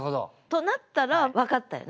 となったら分かったよね？